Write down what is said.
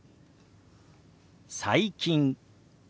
「最近」。